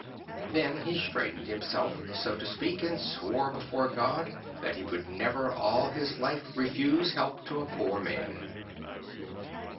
Then he straightened himself, so to speak, and swore before God that he would never al1 his life refuse help to a poor man.